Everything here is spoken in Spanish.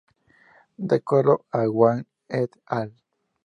De acuerdo a Wang et.al.